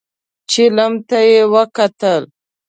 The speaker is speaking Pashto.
چيلم ته يې وکتل.